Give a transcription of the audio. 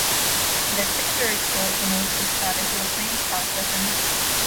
The secondary school in which he studied was named after him.